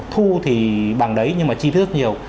thu thì bằng đấy nhưng mà chi phí rất nhiều